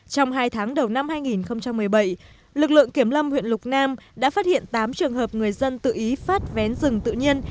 trong hai tháng đầu năm hai nghìn một mươi bảy lực lượng kiểm lâm huyện lục nam đã phát hiện tám trường hợp người dân tự ý phát vén rừng tự nhiên